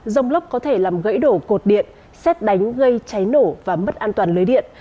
rông lốc có thể làm gãy đổ cột điện xét đánh gây cháy nổ và mất an toàn lưới điện